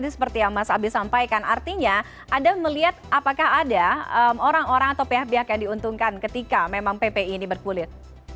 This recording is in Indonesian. seperti yang mas abi sampaikan artinya anda melihat apakah ada orang orang atau pihak pihak yang diuntungkan ketika memang ppi ini berkulit